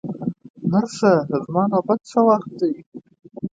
نرسه، زما نوبت څه وخت دی؟